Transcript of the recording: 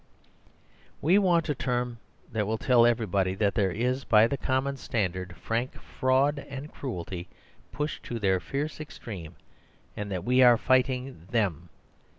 We want a term that will tell everybody that there is, by the common standard, frank fraud and cruelty pushed to their fierce extreme; and that we are fighting THEM.